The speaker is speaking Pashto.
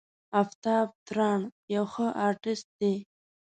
آفتاب تارڼ یو ښه آرټسټ دی.